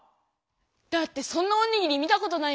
だってそんなおにぎり見たことないもん。